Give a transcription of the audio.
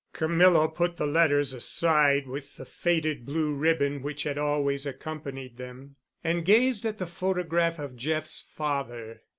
Camilla put the letters aside with the faded blue ribbon which had always accompanied them and gazed at the photograph of Jeff's father.